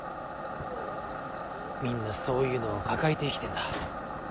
みんなそういうのを抱えて生きてんだ。